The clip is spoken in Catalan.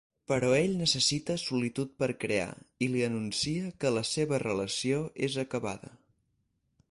Però ell necessita solitud per crear, i li anuncia que la seva relació és acabada.